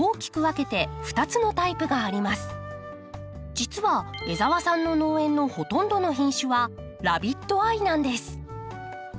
実は江澤さんの農園のほとんどの品種はラビットアイなんです。